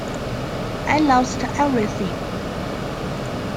I lost everything.